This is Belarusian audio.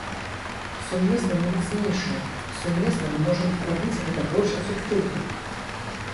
Сумесна мы мацнейшыя, сумесна мы можам рабіць гэта больш эфектыўна.